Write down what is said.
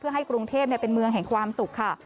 ให้กรุงเทพเป็นเมืองแห่งความสุขค่ะ